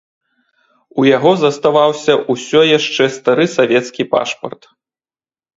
У яго заставаўся ўсё яшчэ стары савецкі пашпарт.